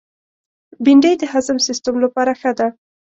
بېنډۍ د هضم سیستم لپاره ښه ده